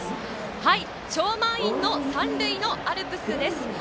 超満員の三塁のアルプスです。